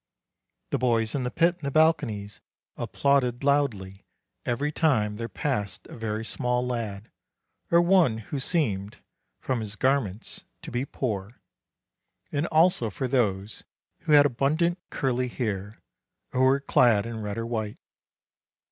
The boys in the pit and the balconies applauded loudly every time there passed a very small lad, or one who seemed, from his garments, to be poor; and also for those who had abundant curly hair, or who were clad in red or white.